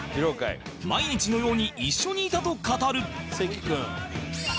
毎日のように一緒にいたと語る